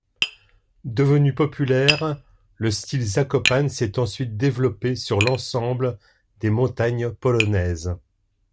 Devenu populaire, le style Zakopane s'est ensuite développé sur l'ensemble des montagnes polonaises.